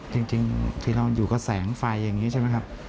จริงที่เราอยู่กับแสงไฟอย่างนี้ใช่ไหมครับ